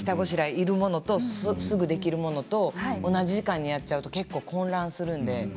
切るものとすぐできるものと同じ時間にやっちゃうと結構混乱するので。